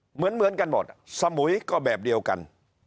เหมือนกันหมดสมุยก็แบบเดียวกัน